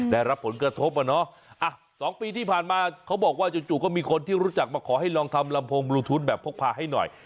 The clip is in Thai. ได้รับผลกระทบอ่ะเนาะ๒ปีที่ผ่านมาเขาบอกว่าจู่ก็มีคนที่รู้จักมาขอให้ลองทำลำโพงบลูทูธแบบพกพาให้หน่อย